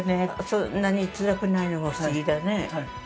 そんなにつらくないのが不思議だね。